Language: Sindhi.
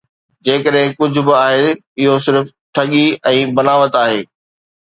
جيڪڏهن ڪجهه به آهي، اهو صرف ٺڳيءَ ۽ بناوٽ آهي